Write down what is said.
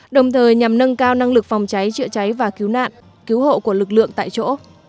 đồng thời nhằm nâng cao năng lực phòng cháy chữa cháy và cứu nạn cứu hộ của lực lượng tại chỗ